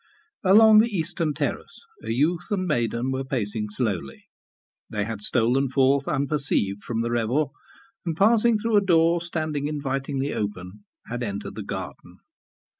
Along the eastern terrace a youth and maiden were pacing slowly. They had stolen forth unperceived from the revel, and, passing through a door standing invitingly open, had entered the garden.